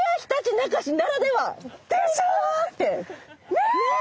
ねえ！